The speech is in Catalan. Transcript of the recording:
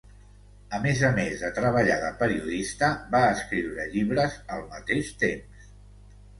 A més a més de treballar de periodista, va escriure llibres al mateix temps.